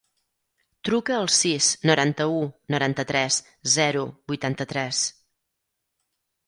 Truca al sis, noranta-u, noranta-tres, zero, vuitanta-tres.